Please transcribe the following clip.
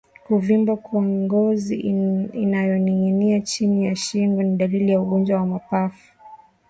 Kuvimba kwa ngozi inayoninginia chini ya shingo ni dalili ya ugonjwa wa mapafu